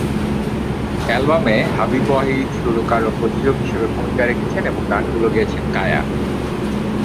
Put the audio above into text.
অ্যালবামে হাবিব ওয়াহিদ সুরকার ও প্রযোজক হিসাবে ভূমিকা রেখেছেন এবং গানগুলো গেয়েছেন কায়া।